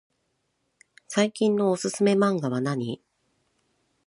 最近のおすすめマンガはなに？